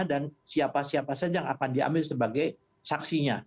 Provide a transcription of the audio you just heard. dan siapa siapa saja yang akan diambil sebagai saksinya